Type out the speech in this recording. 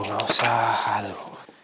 gak usah halu